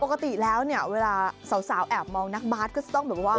ปกติแล้วเนี่ยเวลาสาวแอบมองนักบาสก็จะต้องแบบว่า